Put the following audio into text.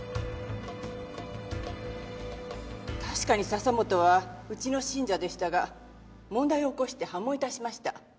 確かに笹本はうちの信者でしたが問題を起こして破門いたしました。